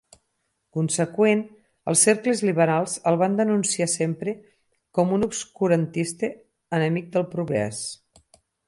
Conseqüent, els cercles liberals el van denunciar sempre com a un obscurantista enemic del progrés.